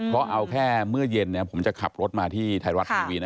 เพราะเอาแค่เมื่อเย็นผมจะขับรถมาที่ไทยรัฐทีวีนะ